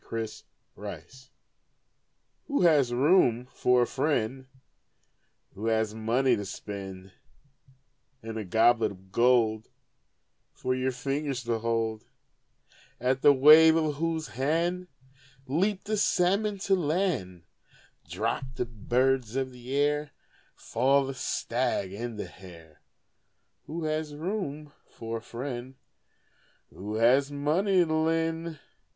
A FRIEND IN NEED Who has room for a friend Who has money to spend, And a goblet of gold For your fingers to hold, At the wave of whose hand Leap the salmon to land, Drop the birds of the air, Fall the stag and the hare. Who has room for a friend Who has money to lend?